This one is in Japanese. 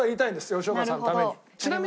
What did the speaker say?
吉岡さんのために。